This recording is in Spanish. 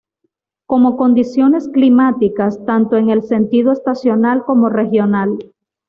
Como condiciones climáticas, tanto en el sentido estacional como regional.